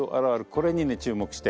これにね注目して。